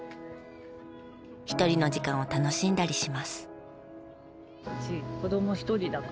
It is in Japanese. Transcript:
一人の時間を楽しんだりします。